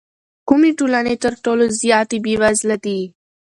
کومې ټولنې تر ټولو زیاتې بېوزله دي؟